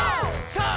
さあ！